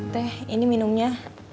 teh ini minumnya